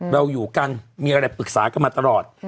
เราอยู่กันมีอะไรปรึกษากันมาตลอด